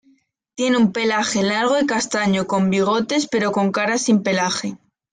Tiene un pelaje largo y castaño, con bigotes pero con una cara sin pelaje.